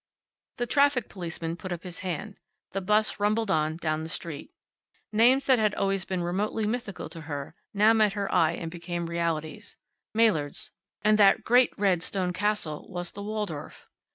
The traffic policeman put up his hand. The 'bus rumbled on down the street. Names that had always been remotely mythical to her now met her eye and became realities. Maillard's. And that great red stone castle was the Waldorf.